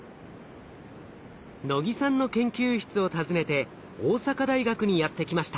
能木さんの研究室を訪ねて大阪大学にやって来ました。